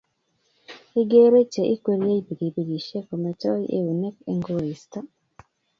igeere che igwerie pikipikishek kometoi eunek eng koristo